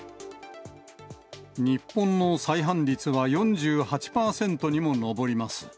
日本の再犯率は４８％にも上ります。